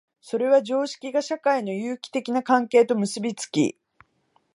それは常識が社会の有機的な関係と結び付き、